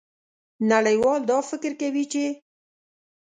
نړیوال دا فکر کوي چې